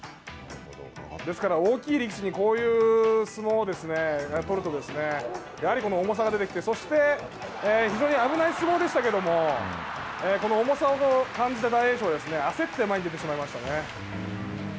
ですから、大きい力士にこういう相撲をやっておると重さが出てきてそして非常に危ない相撲でしたけどもこの重さを感じた大栄翔焦って前に出てしまいましたね。